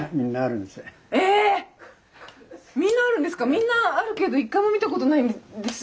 みんなあるけど１回も見たことないんです。